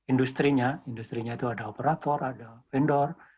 industrinya industrinya itu ada operator ada vendor